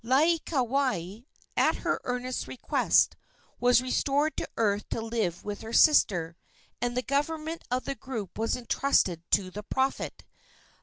Laieikawai, at her earnest request, was restored to earth to live with her sister, and the government of the group was entrusted to the prophet.